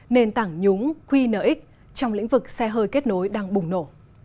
nền tảng nhúng qnx trong lĩnh vực xe hơi kết nối đang bùng nổ